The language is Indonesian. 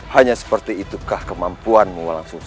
hanya seperti itukah kemampuanmu langsung